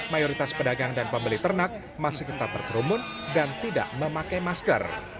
mayoritas pedagang dan pembeli ternak masih tetap berkerumun dan tidak memakai masker